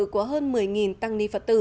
của hơn một mươi tăng ni phật tử